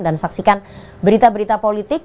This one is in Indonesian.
dan saksikan berita berita politik